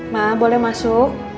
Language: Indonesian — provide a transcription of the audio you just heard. ma boleh masuk